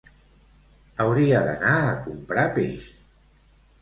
Hauria d'anar a comprar peix